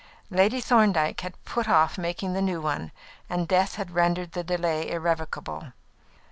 Lady Thorndyke had put off making the new one, and death had rendered the delay irrevocable.